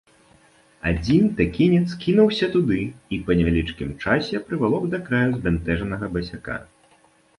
Адзін тэкінец кінуўся туды і па невялічкім часе прывалок да краю збянтэжанага басяка.